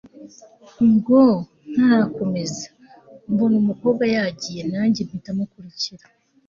ngo.. ntarakomeza mbona umukobwa yagiye nanjye mpita mukurikira